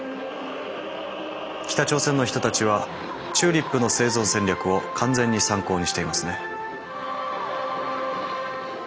北朝鮮の人たちはチューリップの生存戦略を完全に参考にしていますね。